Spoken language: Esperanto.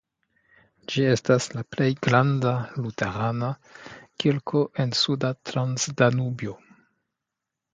Ĝi estas la plej granda luterana kirko en Suda Transdanubio.